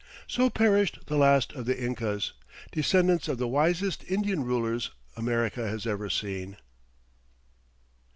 So perished the last of the Incas, descendants of the wisest Indian rulers America has ever seen.